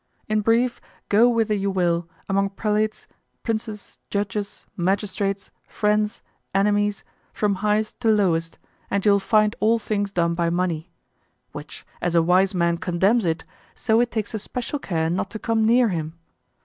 In brief, go whither you will, among prelates, princes, judges, magistrates, friends, enemies, from highest to lowest, and you'll find all things done by money; which, as a wise man condemns it, so it takes a special care not to come near him.